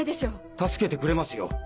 助けてくれますよ